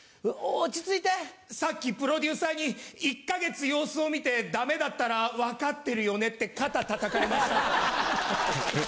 さっきプロデューサーに、１か月様子を見て、だめだったら分かってるよねって、肩たたかれました。